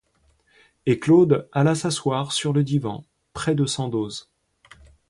Et Claude alla s'asseoir sur le divan, près de Sandoz.